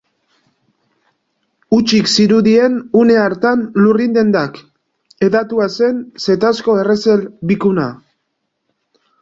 Hutsik zirudien une hartan lurrin-dendak, hedatua zen zetazko errezel bikuna.